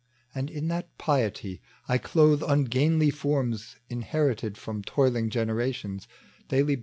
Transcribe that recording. And in that pietj' I clothe ungainly forms inherited From toiling generations, daily bent